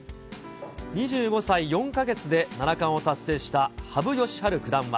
２５歳４か月で七冠を達成した羽生善治九段は。